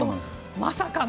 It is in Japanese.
まさかの。